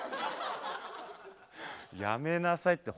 やめなさいって。